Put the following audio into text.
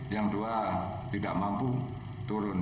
yang dua tidak mampu turun